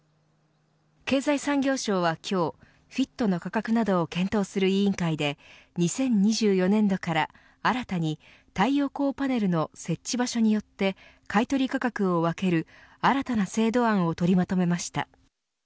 経済産業省は今日ＦＩＴの価格などを検討する委員会で２０２４年度から新たに太陽光パネルの設置場所によって買い取り価格を分ける新たな制度案を取りまとめました。